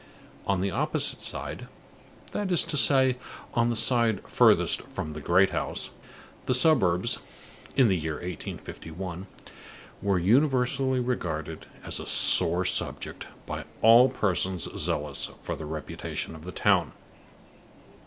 On the opposite side, that is to say, on the side furthest from "the great house," the suburbs (in the year 1851) were universally regarded as a sore subject by all persons zealous for the reputation of the town.